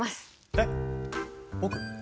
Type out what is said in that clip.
えっ僕？